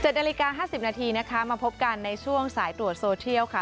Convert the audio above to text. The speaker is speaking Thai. ๗นาฬิกา๕๐นาทีนะคะมาพบกันในช่วงสายตรวจโซเทียลค่ะ